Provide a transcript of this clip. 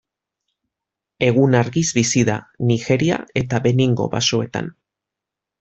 Egun-argiz bizi da, Nigeria eta Beningo basoetan.